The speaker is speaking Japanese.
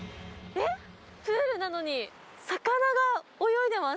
プールなのに魚が泳いでます！